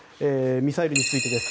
ミサイルについてです。